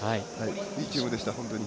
いいチームでした、本当に。